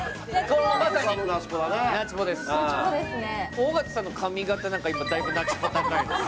尾形さんの髪型なんかだいぶナチュポ高いです。